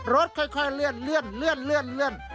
รถค่อยเลื่อน